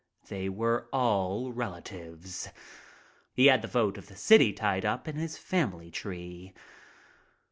They were all relatives. He had the vote of the city tied up in his family tree.